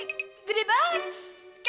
ehe hired historical duit lainnya juga kan